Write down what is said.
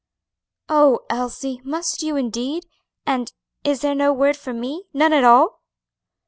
"Oh, Elsie, must you indeed? and is there no word for me none at all?"